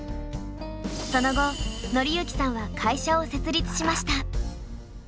その後紀行さんは会社を設立しました。